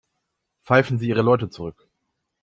Pfeifen Sie Ihre Leute zurück.